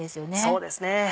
そうですね。